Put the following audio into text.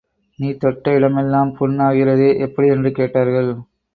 நீ தொட்ட இடமெல்லாம் பொன் ஆகிறதே எப்படி? என்று கேட்டார்கள்.